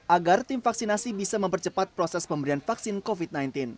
agar tim vaksinasi bisa mempercepat proses pemberian vaksin covid sembilan belas